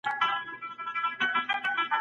د برمختیا کچه د هیواد په شرایطو پورې تړلې ده.